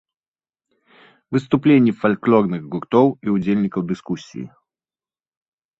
Выступленні фальклорных гуртоў і ўдзельнікаў дыскусіі.